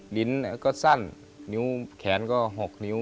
ลิ้นก็สั้นนิ้วแขนก็๖นิ้ว